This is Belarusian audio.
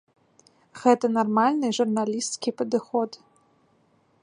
Гэта нармальны журналісцкі падыход.